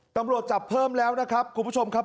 ตำรวจจับเพิ่มแล้วนะครับคุณผู้ชมครับ